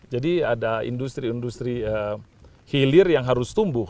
jadi ada industri industri hilir yang harus tumbuh